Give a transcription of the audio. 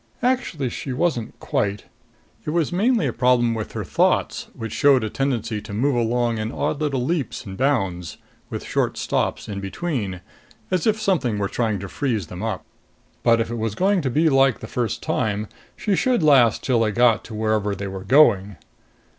Actually she wasn't quite. It was mainly a problem with her thoughts, which showed a tendency to move along in odd little leaps and bounds, with short stops in between, as if something were trying to freeze them up. But if it was going to be like the first time, she should last till they got to wherever they were going.